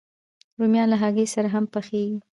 رومیان له هګۍ سره هم پخېږي